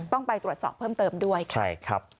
ต้องไปตรวจสอบเพิ่มเติมด้วยค่ะใช่ครับ